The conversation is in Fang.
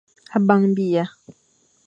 A bang biya.